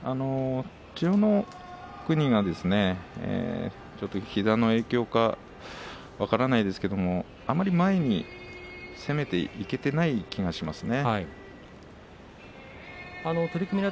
千代の国が膝の影響か分からないですけれどもあまり前に攻めていけていない気がしました。